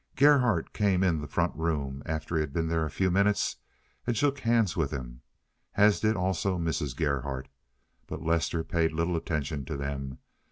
Gerhardt came in the front room, after he had been there a few minutes, and shook hands with him, as did also Mrs. Gerhardt, but Lester paid little attention to them.